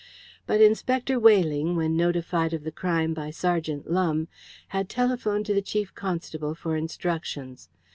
But Inspector Weyling, when notified of the crime by Sergeant Lumbe, had telephoned to the Chief Constable for instructions.